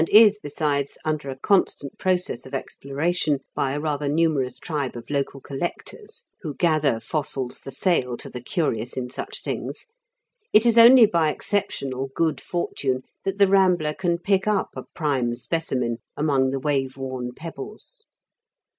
is besides under a constant process of explora tion by a rather numerous tribe of local collectors, who gather fossils for sale to the curious in such things, it is only by ex ceptional good fortune that the rambler can pick up a prime specimen among the wave worn pebbles.